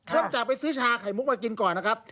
เริ่มจากไปซื้อชาไข่มุกมากินก่อนนะครับ